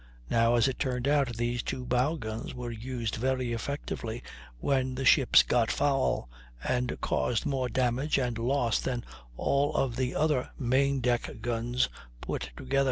Now, as it turned out, these two bow guns were used very effectively, when the ships got foul, and caused more damage and loss than all of the other main deck guns put together.